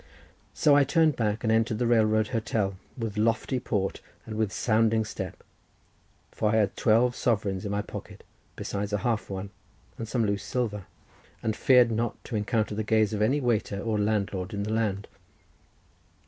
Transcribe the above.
So I turned back and entered the railway hotel with lofty port and with sounding step, for I had twelve sovereigns in my pocket, besides a half one, and some loose silver, and feared not to encounter the gaze of any waiter or landlord in the land.